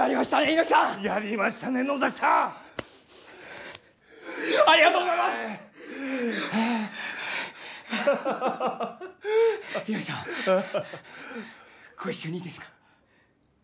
猪木さん、ご一緒にいいですか？